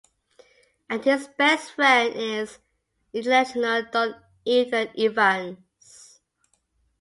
And his best friend is international don Ethan Evans.